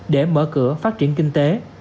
để mở cửa phát triển kinh tế